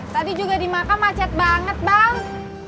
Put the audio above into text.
tadi juga di maka macet banget bang